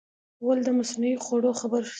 غول د مصنوعي خوړو خبر خپروي.